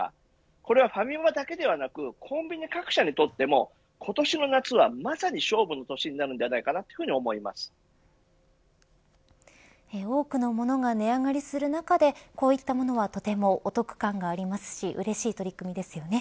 これはファミマだけではなくコンビニ各社にとっても今年の夏は、まさに勝負の年に多くの物が値上がりする中でこういった物はとてもお得感がありますしうれしい取り組みですよね。